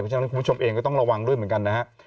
ฉะนั้นคุณผู้ชมเองก็ต้องระวังด้วยเหมือนกันนะฮะ